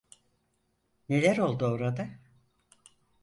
Neler oldu orada?